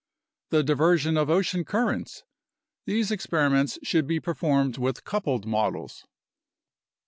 The diversion of ocean currents. These experiments should be per formed with coupled models.